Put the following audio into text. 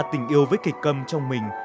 tình yêu với kịch câm trong mình